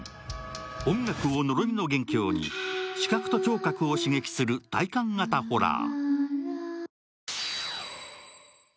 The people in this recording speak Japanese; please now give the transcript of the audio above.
音楽を呪いの元凶に視覚と聴覚を刺激する体感型ホラー。